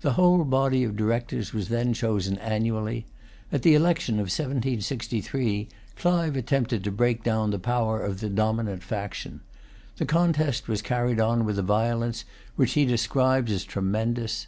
The whole body of Directors was then chosen annually. At the election of 1763, Clive attempted to break down the power of the dominant faction. The contest was carried on with a violence which he describes as tremendous.